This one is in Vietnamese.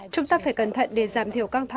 chúng ta phải cẩn thận để giảm thiểu các thông tin